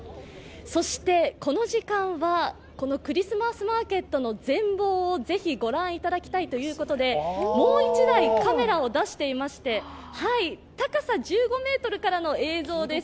この時間はこのクリスマスマーケットの全貌をぜひ御覧いただきたいということでもう１台カメラを出していまして高さ１５ｍからの映像です。